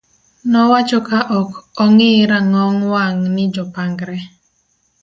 nowacho ka ok ong'i rang'ong wang' ni jopangre